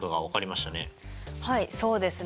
はいそうですね。